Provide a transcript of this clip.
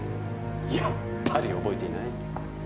やっぱり覚えていない。